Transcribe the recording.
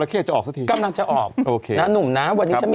ลิ้งปลาลิ้งหาดกันน่ะแม่ว่ะตามแก๊บ